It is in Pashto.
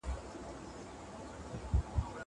سفر وکړه.